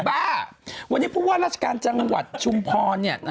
บ้าวันนี้คุณบ้านราชาการจังหวัดชุมพรเนี่ย